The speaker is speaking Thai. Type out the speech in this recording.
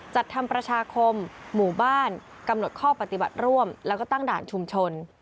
จัดทำประชาคมหมู่บ้านกำหนดข้อปฏิบัติร่วมแล้วก็ตั้งด่านชุมชน